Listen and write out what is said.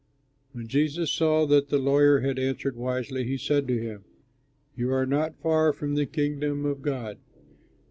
'" When Jesus saw that the lawyer had answered wisely, he said to him, "You are not far from the Kingdom of God."